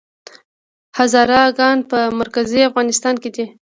هزاره ګان په مرکزي افغانستان کې دي؟